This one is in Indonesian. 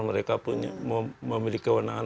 mereka memiliki kewenangan